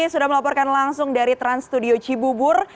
sudah melaporkan langsung dari trans studio cibubur